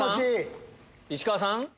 石川さん？